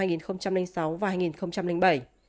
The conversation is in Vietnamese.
phía phụ trách chiến dịch tranh cử